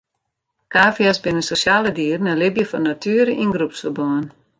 Kavia's binne sosjale dieren en libje fan natuere yn groepsferbân.